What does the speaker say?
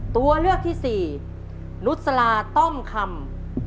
ตัวเลือกที่สี่นุษลาต้อมคำ